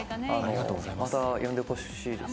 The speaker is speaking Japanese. また呼んでほしいです。